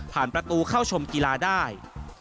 ประตูเข้าชมกีฬาได้